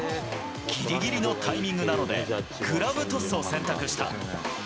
ぎりぎりのタイミングなので、グラブトスを選択した。